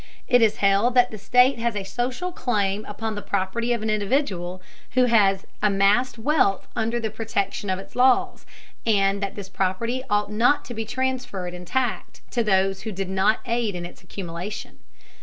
It is held that the state has a social claim upon the property of an individual who has amassed wealth under the protection of its laws, and that this property ought not to be transferred intact to those who did not aid in its accumulation.